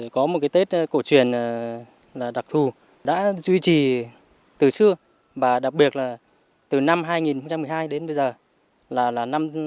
có một cái tết cổ truyền đặc thù đã duy trì từ xưa và đặc biệt là từ năm hai nghìn một mươi hai đến bây giờ là năm